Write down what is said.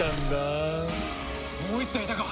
もう１体いたか！